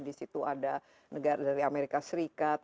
di situ ada negara dari amerika serikat